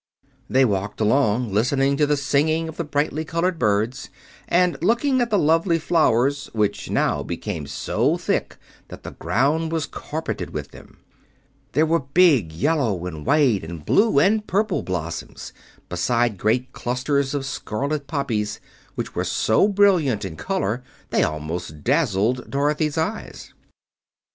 They walked along listening to the singing of the brightly colored birds and looking at the lovely flowers which now became so thick that the ground was carpeted with them. There were big yellow and white and blue and purple blossoms, besides great clusters of scarlet poppies, which were so brilliant in color they almost dazzled Dorothy's eyes.